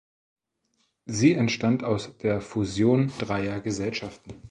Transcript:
Sie entstand aus der Fusion dreier Gesellschaften.